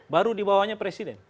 baru dibawanya presiden